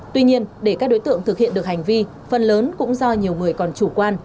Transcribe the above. tuy nhiên để các đối tượng thực hiện được hành vi phần lớn cũng do nhiều người còn chủ quan